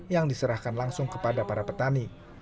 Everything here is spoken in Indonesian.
yang diserahkan langsung kepada para petani